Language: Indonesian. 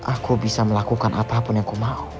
aku bisa melakukan apapun yang ku mau